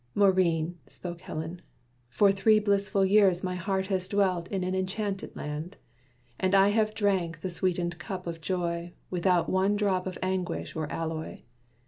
"Maurine," spoke Helen, "for three blissful years, My heart has dwelt in an enchanted land; And I have drank the sweetened cup of joy, Without one drop of anguish or alloy.